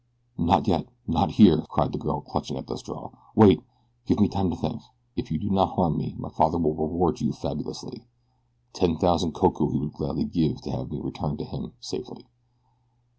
"Not yet not here!" cried the girl clutching at a straw. "Wait. Give me time to think. If you do not harm me my father will reward you fabulously. Ten thousand koku he would gladly give to have me returned to him safely."